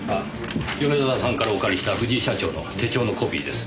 米沢さんからお借りした藤井社長の手帳のコピーです。